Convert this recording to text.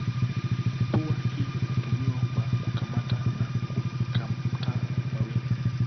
Pua hii hutumika kwa kukamata na kukata mawindo.